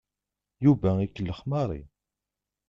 Yuba ikellex Mary.